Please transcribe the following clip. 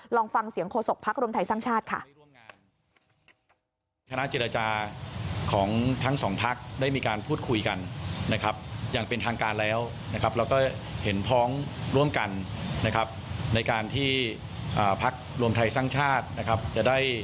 ลองฟังเสียงโฆษกภักดิ์รวมไทยสร้างชาติค่ะ